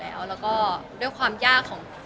แฟนคลับของคุณไม่ควรเราอะไรไง